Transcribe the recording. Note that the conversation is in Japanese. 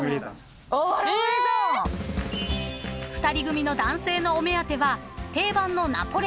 ［２人組の男性のお目当ては定番の］